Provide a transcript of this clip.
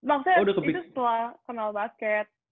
maksudnya itu setelah kenal basket